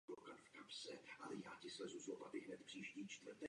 Významně se podílí na zavádění systémů řízení kvality ve vysokém školství.